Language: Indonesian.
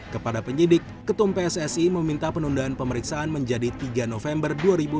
kepada penyidik ketum pssi meminta penundaan pemeriksaan menjadi tiga november dua ribu dua puluh